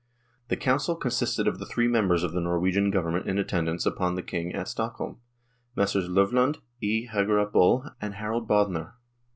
The Council consisted of the three members of the Norwegian Government in attend ance upon the King at Stockholm, Messrs. Lovland, E. Hagerup Bull, and Harald Bothner.